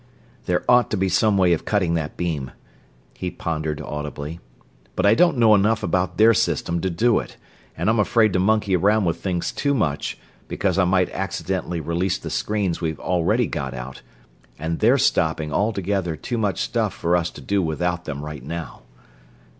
"There ought to be some way of cutting that beam," he pondered audibly, "but I don't know enough about their system to do it, and I'm afraid to monkey around with things too much, because I might accidentally release the screens we've already got out, and they're stopping altogether too much stuff for us to do without them right now."